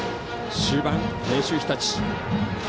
終盤、明秀日立。